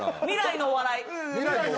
未来のお笑い。